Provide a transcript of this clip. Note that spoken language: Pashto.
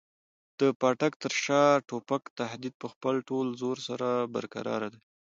د پاټک تر شا د توپک تهدید په خپل ټول زور سره برقراره دی.